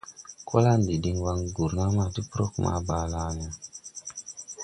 Kolandi din wan gurna ma ti prog Balané no.